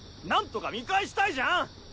なんとか見返したいじゃん？